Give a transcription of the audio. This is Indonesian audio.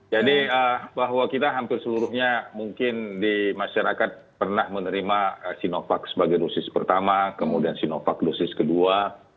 jadi bahwa kita hampir seluruhnya mungkin di masyarakat pernah menerima sinovac sebagai dosis pertama kemudian sinovac dosis kedua